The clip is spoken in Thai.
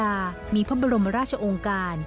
พระราชบิดามีพระบรมราชองการ